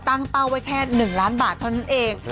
เป้าไว้แค่๑ล้านบาทเท่านั้นเอง